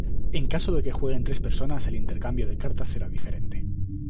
En caso de que jueguen tres personas el intercambio de cartas será diferente.